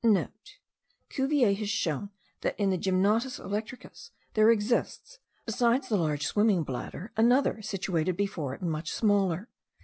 *(* Cuvier has shown that in the Gymnotus electricus there exists, besides the large swimming bladder, another situated before it, and much smaller.